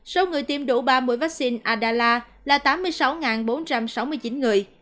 số người tiêm đủ ba mũi vaccine adallah là tám mươi sáu bốn trăm sáu mươi chín người